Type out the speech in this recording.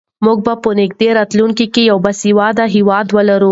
موږ به په نږدې راتلونکي کې یو باسواده هېواد ولرو.